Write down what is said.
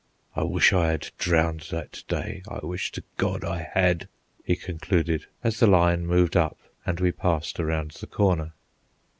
"I wish I had drowned that day, I wish to God I had," he concluded, as the line moved up and we passed around the corner.